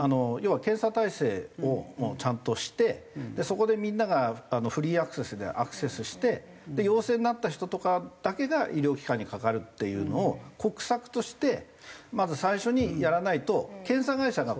要は検査体制をちゃんとしてそこでみんながフリーアクセスでアクセスして陽性になった人とかだけが医療機関に掛かるっていうのを国策としてまず最初にやらないと。